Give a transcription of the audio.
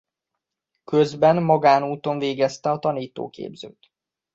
Közben magánúton végezte a tanítóképzőt.